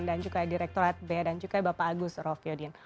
dan juga direktorat bea dan cukai bapak agus rofyodin